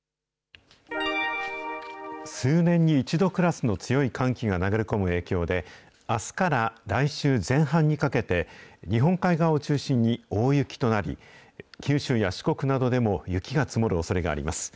数年に一度クラスの強い寒気が流れ込む影響で、あすから来週前半にかけて、日本海側を中心に大雪となり、九州や四国などでも雪が積もるおそれがあります。